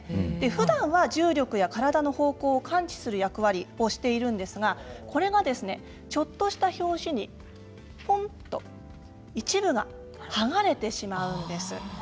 ふだんは重力や体の方向を感知する役割をしているんですがこれが、ちょっとした拍子にぽんと一部が剥がれてしまうんです。